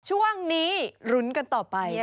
ช่วงนี้ลุ้นกันต่อไป